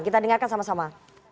kita dengarkan sama sama